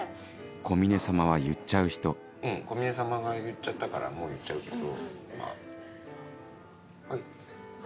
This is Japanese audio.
小峰様は言っちゃう人小峰様が言っちゃったからもう言っちゃうけどまぁハゲてるね。